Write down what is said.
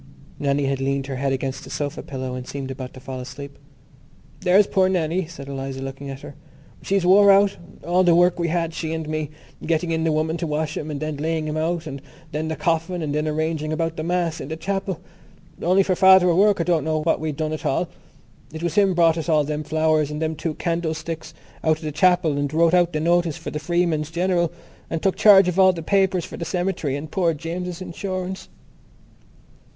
Nannie had leaned her head against the sofa pillow and seemed about to fall asleep. "There's poor Nannie," said Eliza, looking at her, "she's wore out. All the work we had, she and me, getting in the woman to wash him and then laying him out and then the coffin and then arranging about the Mass in the chapel. Only for Father O'Rourke I don't know what we'd have done at all. It was him brought us all them flowers and them two candlesticks out of the chapel and wrote out the notice for the Freeman's General and took charge of all the papers for the cemetery and poor James's insurance."